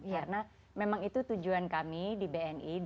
karena memang itu tujuan kami di bni